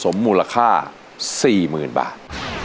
สมมุลค่าสี่หมื่นบาท